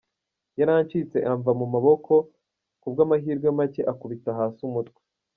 Yarancitse amva mu maboko ku bw’amahirwe make akubita hasi umutwe.